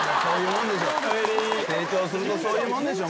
成長するとそういうもんでしょう